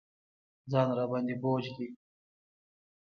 ځان راباندې بوج دی.